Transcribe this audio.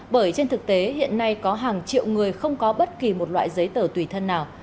bởi trên thực tế hiện nay có hàng triệu người không có bất kỳ một loại giấy tờ tùy thân nào